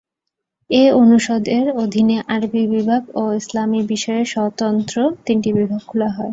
এ অনুষদের অধীনে আরবি বিভাগ ও ইসলামী বিষয়ে স্বতন্ত্র তিনটি বিভাগ খোলা হয়।